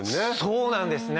そうなんですね